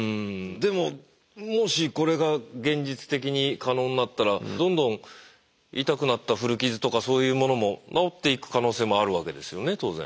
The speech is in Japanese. でももしこれが現実的に可能になったらどんどん痛くなった古傷とかそういうものも治っていく可能性もあるわけですよね当然。